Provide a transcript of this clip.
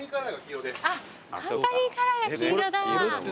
カンパニーカラーが黄色だ。